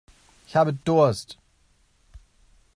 Ich habe Durst.